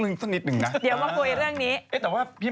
เดี๋ยวมาพูดเรื่องนี้